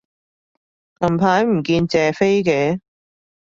近排唔見謝飛嘅